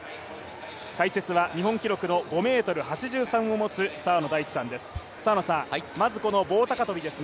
解説は日本記録の５ｍ８３を持つ澤野大地さんです。